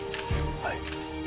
はい。